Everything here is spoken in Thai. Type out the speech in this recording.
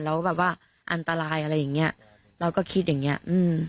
แล้วแบบว่าอันตรายอะไรอย่างเงี้ยเราก็คิดอย่างเงี้อืม